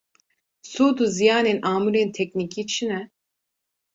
Sûd û ziyanên amûrên teknîkî çi ne?